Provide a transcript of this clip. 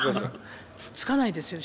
つかないですよ